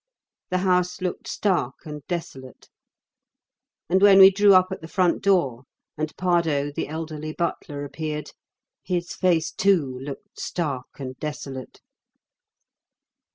The house looked stark and desolate. And when we drew up at the front door and Pardoe, the elderly butler, appeared, his face too looked stark and desolate.